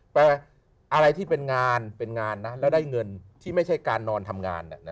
แต่อะไรที่เป็นงานเป็นงานนะแล้วได้เงินที่ไม่ใช่การนอนทำงาน